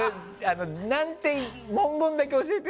文言だけ教えて？